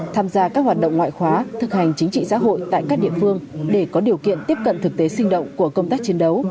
tham gia các hoạt động ngoại khóa thực hành chính trị xã hội tại các địa phương để có điều kiện tiếp cận thực tế sinh động của công tác chiến đấu